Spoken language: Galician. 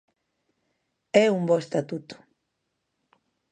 É un bo estatuto.